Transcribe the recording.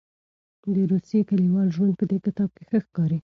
د روسیې کلیوال ژوند په دې کتاب کې ښه ښکاري.